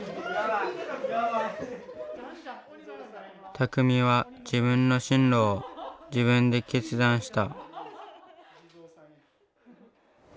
たくみは自分の進路を自分で決断した。